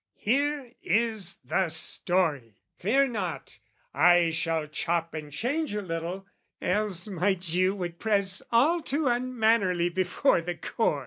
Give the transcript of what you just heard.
Here is the story, fear not, I shall chop And change a little, else my Jew would press All too unmannerly before the Court.